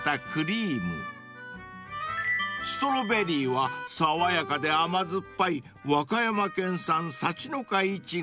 ［ストロベリーは爽やかで甘酸っぱい和歌山県産さちのか苺が］